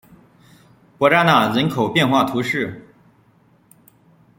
伯扎讷人口变化图示